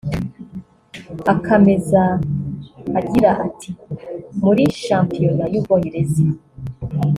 Akameza agira ati “Muri shampiyona y’u Bwongereza